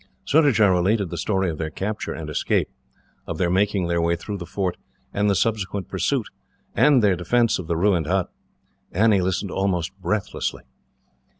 Surajah related the story of their capture and escape, of their making their way through the fort, and the subsequent pursuit, and their defence of the ruined hut. Annie listened almost breathlessly.